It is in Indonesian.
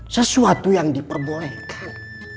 sesuatu yang diperbolehkan